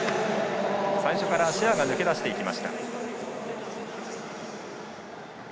最初からシェアが抜け出していきました。